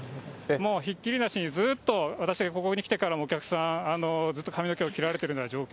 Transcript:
もうひっきりなしに、ずっと私がここに来てからお客さん、ずっと髪の毛を切られてるよ